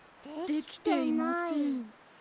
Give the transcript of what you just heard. できていません。